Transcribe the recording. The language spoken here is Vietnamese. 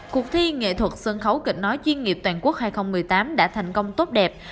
cuộc thi nghệ thuật sân khấu kịch nói chuyên nghiệp toàn quốc hai nghìn một mươi tám đã thành công tốt đẹp